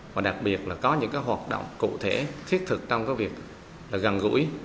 và đặc biệt là có những hoạt động cụ thể thiết thực trong việc gần gũi